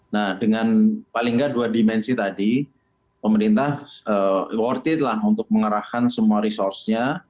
nah dengan paling nggak dua dimensi tadi pemerintah worth it lah untuk mengerahkan semua resource nya